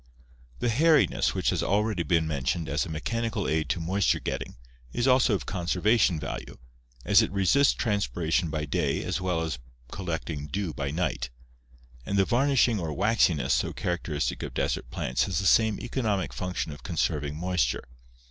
The hairiness which has already been mentioned as a mechanical aid to moisture getting is also of conservation value, as it resists transpiration by day as well as collecting dew by night; and the varnishing or waxiness so characteristic of desert plants has the same economic function of conserving moisture.